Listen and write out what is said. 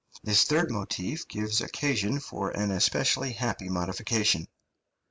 This third motif gives occasion for an especially happy modification.